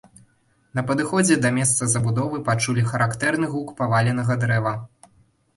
На падыходзе да месца забудовы пачулі характэрны гук паваленага дрэва.